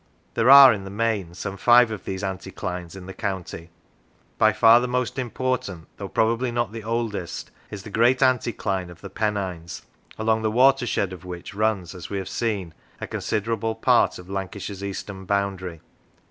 There are, in the main, some five of these anticlines in the county. By far the most important, though probably not the oldest, is the great anticline of the Pennines, along the watershed of which runs, as we have seen, a considerable part of Lancashire's eastern boundary.